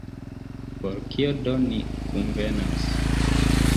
Por kio do ni kunvenas?